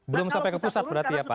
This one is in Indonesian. belum sampai ke pusat berarti ya pak